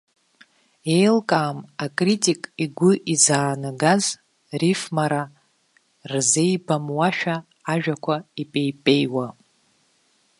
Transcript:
Еилкаам акритик игәы изаанагаз рифмара рзеибамуашәа ажәақәа ипеипеиуа.